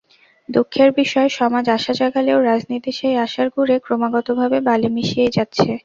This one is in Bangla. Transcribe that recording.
দুঃখের বিষয়, সমাজ আশা জাগালেও রাজনীতি সেই আশার গুড়ে ক্রমাগতভাবে বালি মিশিয়েই যাচ্ছে।